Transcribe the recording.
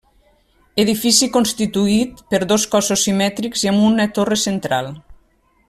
Edifici constituït per dos cossos simètrics i amb una torre central.